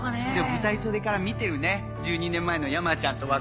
舞台袖から見てるね１２年前の山ちゃんと若林。